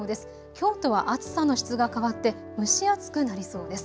きょうとは暑さの質が変わって蒸し暑くなりそうです。